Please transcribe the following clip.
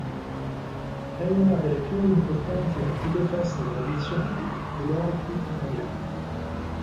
È una delle più importanti e antiche feste tradizionali delle Alpi italiane.